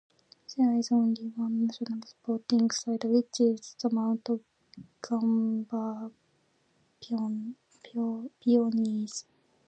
There is only one national sporting side which is the Mount Gambier Pioneers.